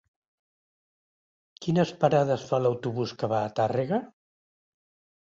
Quines parades fa l'autobús que va a Tàrrega?